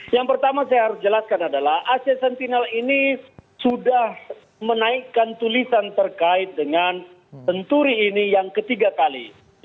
yang pertama saya harus jelaskan adalah asia sentinel ini sudah menaikkan tulisan terkait dengan senturi ini yang ketiga kali